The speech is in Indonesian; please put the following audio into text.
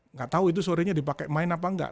nggak tahu itu sorenya dipakai main apa enggak